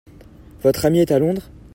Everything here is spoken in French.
Votre ami est à Londres ?